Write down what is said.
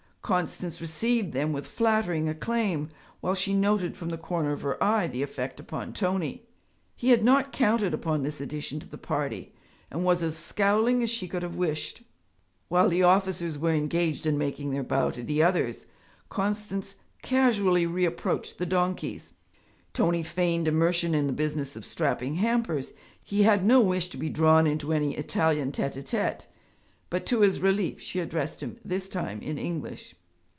Constance received them with flattering acclaim, while she noted from the corner of her eye the effect upon Tony. He had not counted upon this addition to the party, and was as scowling as she could have wished. While the officers were engaged in making their bow to the others, Constance casually reapproached the donkeys. Tony feigned immersion in the business of strapping hampers; he had no wish to be drawn into any Italian tête à tête. But to his relief she addressed him this time in English.